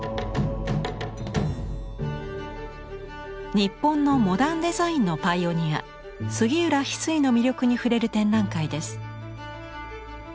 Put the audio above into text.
日本のモダン・デザインのパイオニア杉浦非水の魅力に触れる展覧会です。